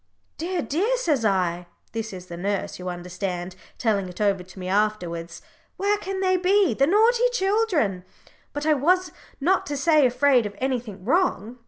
"Dear, dear!" says I (this is nurse, you understand, telling it over to me afterwards), "where can they be, the naughty children? But I wasn't not to say afraid of anything wrong.